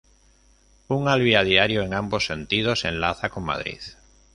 Un Alvia diario en ambos sentidos enlaza con Madrid.